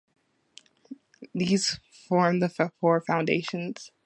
These form the four foundations.